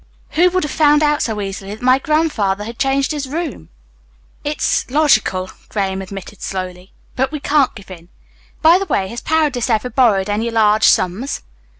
Who would have found out so easily that my grandfather had changed his room?" "It's logical," Graham admitted slowly, "but we can't give in. By the way, has Paredes ever borrowed any large sums?"